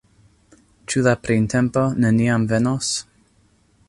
Ĉu la printempo neniam venos?